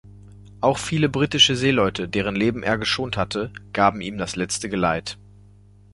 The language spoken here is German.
Auch viele britische Seeleute, deren Leben er geschont hatte, gaben ihm das letzte Geleit.